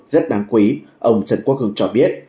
rất đáng quý ông trần quốc hương cho biết